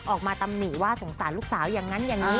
ตำหนิว่าสงสารลูกสาวอย่างนั้นอย่างนี้